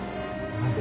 何で。